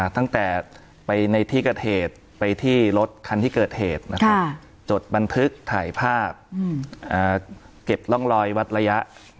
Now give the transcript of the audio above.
ตั้งแต่ไปในที่เกิดเหตุไปที่รถคันที่เกิดเหตุจดบันทึกถ่ายภาพเก็บร่องรอยวัดระยะ